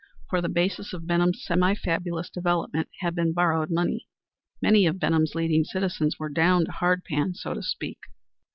for the basis of Benham's semi fabulous development had been borrowed money. Many of Benham's leading citizens were down to hard pan, so to speak.